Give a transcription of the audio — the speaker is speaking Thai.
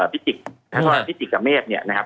พิจิกกับเมฆเนี่ยนะครับ